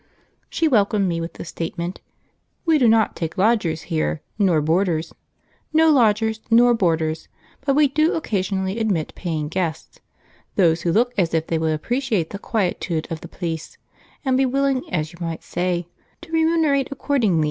She welcomed me with the statement: "We do not take lodgers here, nor boarders; no lodgers, nor boarders, but we do occasionally admit paying guests, those who look as if they would appreciate the quietude of the plyce and be willing as you might say to remunerate according."